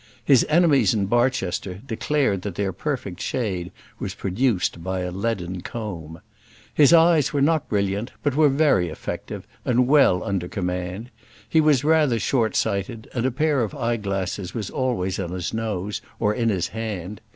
His enemies in Barchester declared that their perfect shade was produced by a leaden comb. His eyes were not brilliant, but were very effective, and well under command. He was rather short sighted, and a pair of eye glasses was always on his nose, or in his hand.